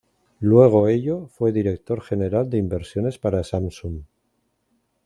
Luego ello, fue Director General de Inversiones para Samsung.